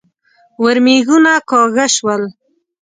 ورمېږونه کاږه شول.